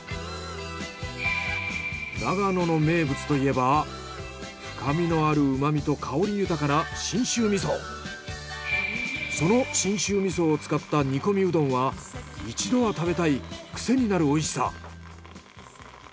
長野の名物といえば深みのある旨みと香り豊かなその信州味噌を使った煮込みうどんは一度は食べたい癖になるおいしさ。